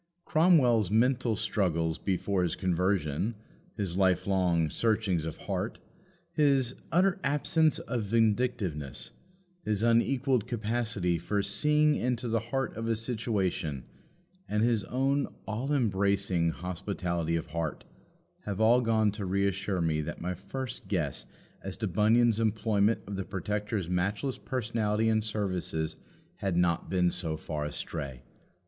Cromwell's "mental struggles before his conversion," his life long "searchings of heart," his "utter absence of vindictiveness," his unequalled capacity for "seeing into the heart of a situation," and his own "all embracing hospitality of heart" all have gone to reassure me that my first guess as to Bunyan's employment of the Protector's matchless personality and services had not been so far astray.